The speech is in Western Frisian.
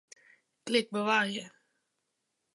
Klik Bewarje.